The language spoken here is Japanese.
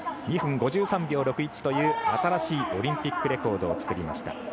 ２分５３秒６１という新しいオリンピックレコードを作りました。